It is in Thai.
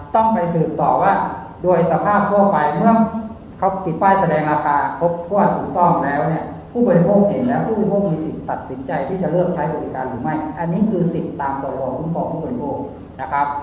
ต้องไปสืบต่อว่าโดยสภาพทั่วไปเมื่อเขาปิดป้ายแสดงราคาครบถ้วนถูกต้องแล้วเนี่ยผู้บริโภคเห็นแล้วผู้บริโภคมีสิทธิ์ตัดสินใจที่จะเริ่มใช้บริการหรือไม่อันนี้คือสิทธิ์ตามระบบคุ้มครองผู้บริโภคนะครับ